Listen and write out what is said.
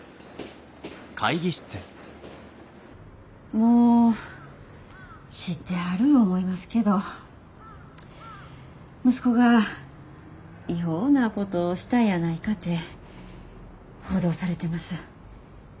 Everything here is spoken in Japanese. もう知ってはる思いますけど息子が違法なことしたんやないかて報道されてます。